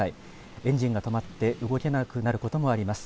エンジンが止まって動けなくなることもあります。